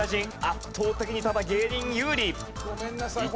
圧倒的にただ芸人有利。